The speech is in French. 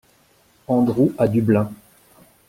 Andrew à Dublin.